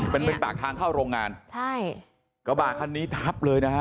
เป็นเป็นปากทางเข้าโรงงานใช่กระบะคันนี้ทับเลยนะฮะ